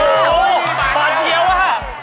โอ้โหบาทเดียวอะ